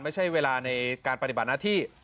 ไม่ใช่เวลาในการปฏิบัติหน้าที่